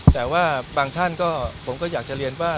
แต่ว่าบางท่านก็ผมก็อยากจะเรียนว่า